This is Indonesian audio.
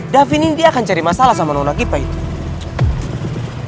davin ini dia akan cari masalah sama nona gipa itu